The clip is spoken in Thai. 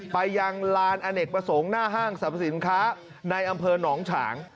ไปยังลานอเนกประสงค์หน้าห้างสรรพสินค้าในอำเภอหนองฉาง